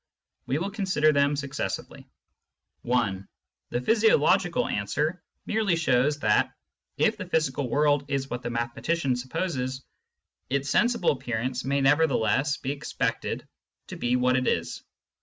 We will consider them successively. (i) The physiological answer merely shows that, if the physical world is what the mathematician supposes, its sensible appearance may nevertheless be expected to be what it is.